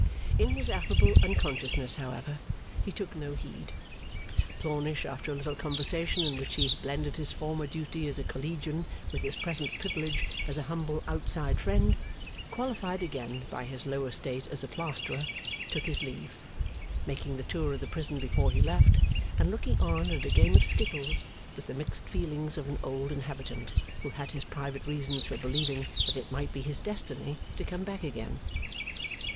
In his affable unconsciousness, however, he took no heed. Plornish, after a little conversation, in which he blended his former duty as a Collegian with his present privilege as a humble outside friend, qualified again by his low estate as a plasterer, took his leave; making the tour of the prison before he left, and looking on at a game of skittles with the mixed feelings of an old inhabitant who had his private reasons for believing that it might be his destiny to come back again.